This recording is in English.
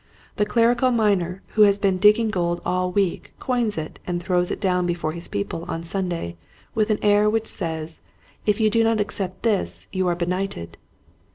The clerical miner who has been digging gold all week coins it and throws it down before his people on Sunday with an air which says : "If you do not accept this you are benighted